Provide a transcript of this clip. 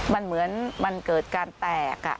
มันเหมือนมันเกิดการแตก